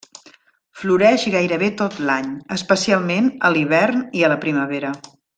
Floreix gairebé tot l'any, especialment a l'hivern i a la primavera.